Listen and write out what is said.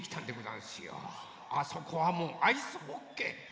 あそこはもうアイスホッケー。